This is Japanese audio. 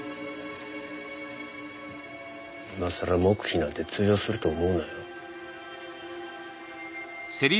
今さら黙秘なんて通用すると思うなよ。